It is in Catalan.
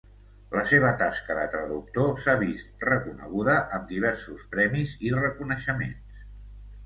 La seva tasca de traductor s'ha vist reconeguda amb diversos premis i reconeixements.